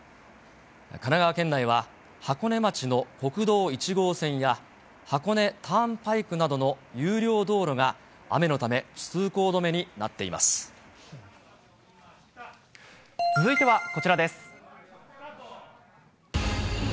神奈川県内は、箱根町の国道１号線や、箱根ターンパイクなどの有料道路が、雨のため通行止めになってい続いてはこちらです。